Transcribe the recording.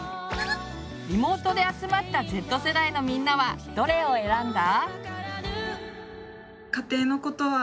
リモートで集まったＺ世代のみんなはどれを選んだ？